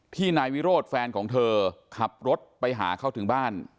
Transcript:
นายวิโรธแฟนของเธอขับรถไปหาเขาถึงบ้าน